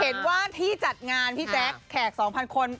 เห็นว่าที่จัดงานพี่แจ๊คแขก๒๐๐คน